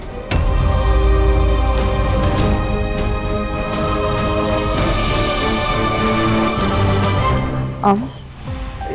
jadi apa yang bisa dikonsumsiin